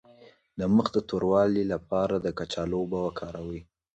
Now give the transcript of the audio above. د مخ د توروالي لپاره د کچالو اوبه وکاروئ